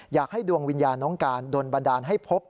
อยากให้ดวงวิญญาณน้องการโดนบันดาลให้พบ